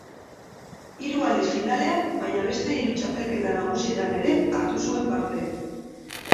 Hiru aldiz finalean baina beste hiru txapelketa nagusietan ere hartu zuen parte.